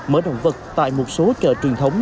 mỡ động vật tại một số chợ truyền thống